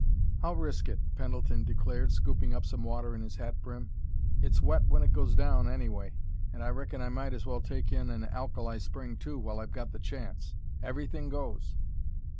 "I'll risk it," Pendleton declared, scooping up some water in his hat brim. "It's wet when it goes down, anyway. And I reckon I might as well take in an alkali spring, too, while I've got the chance. Everything goes!"